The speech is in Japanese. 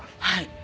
はい。